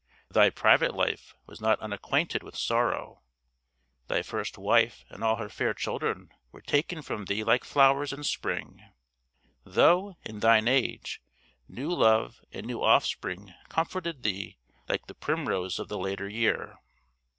Thy private life was not unacquainted with sorrow; thy first wife and all her fair children were taken from thee like flowers in spring, though, in thine age, new love and new offspring comforted thee like 'the primrose of the later year.'